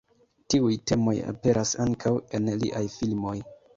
Tiuj temoj aperas ankaŭ en liaj filmoj.